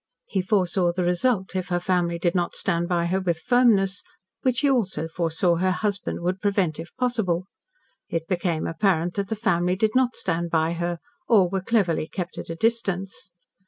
He foresaw the result, if her family did not stand by her with firmness, which he also foresaw her husband would prevent if possible. It became apparent that the family did not stand by her or were cleverly kept at a distance.